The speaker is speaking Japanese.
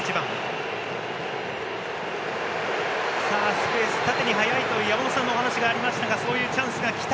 スペース、縦に速いという山本さんの話がありましたがそういうチャンスがきた。